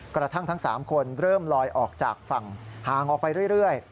กระทั่งทั้ง๓คนเริ่มลอยออกจากฝั่งห่างออกไปเรื่อย